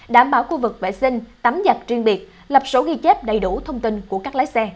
đảm bảo khu vực vệ sinh tắm giặc riêng biệt lập số ghi chép đầy đủ thông tin của các lái xe